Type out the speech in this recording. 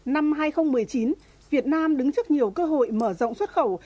năm hai nghìn một mươi chín việt nam đứng trước nhiều cơ hội mở rộng xuất khẩu